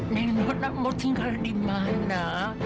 nek nona mau tinggal dimana